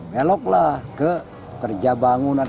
meloklah ke kerja bangunan